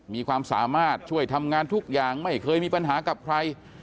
มีความสามารถช่วยทำงานทุกอย่างไม่เคยมีปัญหากับใคร